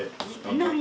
何？